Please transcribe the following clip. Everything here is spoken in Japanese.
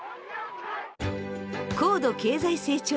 高度経済成長期